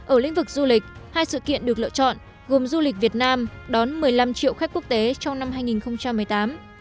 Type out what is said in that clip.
ở lĩnh vực du lịch hai sự kiện được lựa chọn gồm du lịch việt nam đón một mươi năm triệu khách quốc tế trong năm hai nghìn một mươi tám